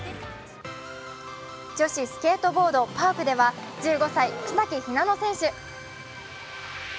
女子スケートボード・パークでは１５歳・草木ひなの選手。